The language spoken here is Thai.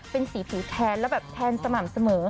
เป็นสีผิวแทนแล้วแบบแทนสม่ำเสมอ